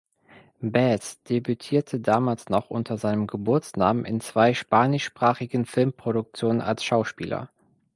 Baez debütierte damals noch unter seinem Geburtsnamen in zwei spanischsprachigen Filmproduktionen als Schauspieler.